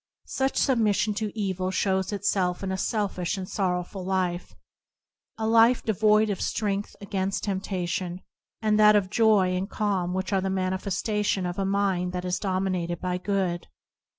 Such sub mission to evil shows itself in a selfish and sorrowful life; a life alike devoid of strength against temptation, and of that joy and calm which are the manifestation of a mind that is dominated by good.